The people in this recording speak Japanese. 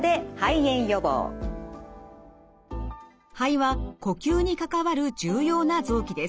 肺は呼吸に関わる重要な臓器です。